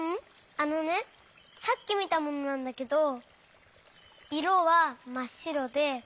あのねさっきみたものなんだけどいろはまっしろで。